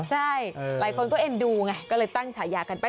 ใช่หลายคนก็เอ็นดูไงก็เลยตั้งฉายากันไป